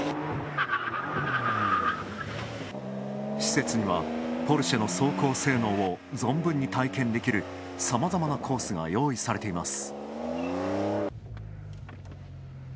施設には、ポルシェの走行性能を存分に体験できるさまざまなコースが用意されています。